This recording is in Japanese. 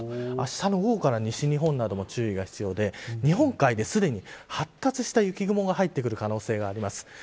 あしたの午後から西日本などを中心に注意が必要で、日本海でもすでに発達した雪雲が入ってくる可能性がります。